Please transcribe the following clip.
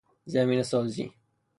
زمینه سازی